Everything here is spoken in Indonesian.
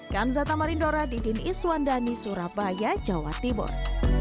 kanzata marindora didin iswandani surabaya jawa timur